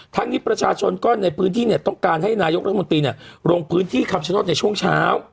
ทั้งนี้ประชาชนก็ในพื้นที่เนี่ยต้องการให้นายกรัฐมนตรีลงพื้นที่คำชโนธในช่วงเช้า